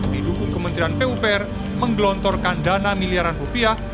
di dukung kementerian pupr menggelontorkan dana miliaran rupiah